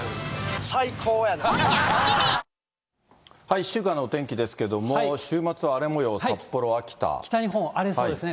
１週間のお天気ですけれども、北日本、荒れそうですね。